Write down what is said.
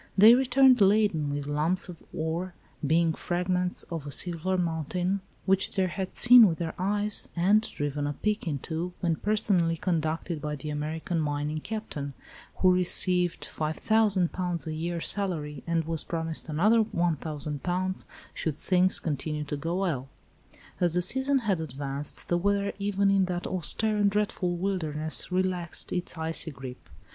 They returned laden with lumps of ore, being fragments of a silver mountain which they had seen with their eyes and driven a pick into when personally conducted by the American "mining Captain," who received £5,000 a year salary, and was promised another £1,000 should things continue to go well. As the season had advanced the weather even in that austere and dreadful wilderness relaxed its icy grip.